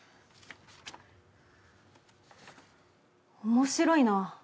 面白いな。